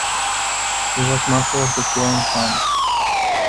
He was Master of the Quorn Hunt.